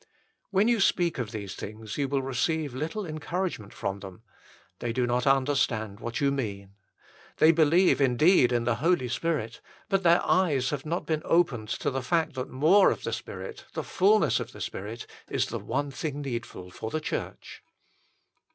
l When you speak of these things you will receive little encouragement from them. They do not understand what you mean. They believe indeed in the Holy Spirit, but their eyes have not been opened to the fact that more of the Spirit, the fulness of the Spirit, is the one thing needful for the Church.